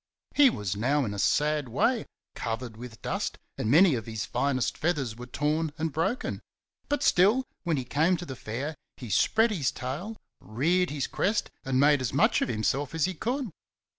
He was now in a sad way, covered with dust, and many of his finest feathers were torn and broken; but still, when he came to the Fair he spread his tail, reared his crest and made as much of himself as he could.